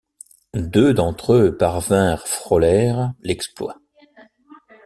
Deux d'entre eux parvinrent frôlèrent l'exploit.